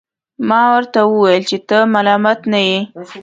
ما ورته وویل چي ته ملامت نه یې.